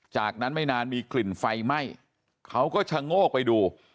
จากนั้นไม่นานมีกลิ่นไฟไหม้เขาก็ชะโงกไปดู